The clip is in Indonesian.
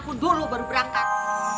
maksudnya emaknya udah berangkat